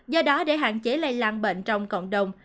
do đó để hạn chế lây lan bệnh trong cộng đồng